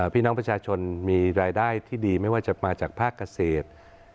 พี่น้องประชาชนมีรายได้ที่ดีไม่ว่าจะมาจากภาคเกษตร